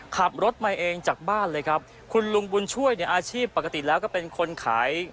ขับรถมาเองจากบ้านเลยครับคุณลุงบุญช่วยเนี่ยอาชีพปกติแล้วก็เป็นคนขาย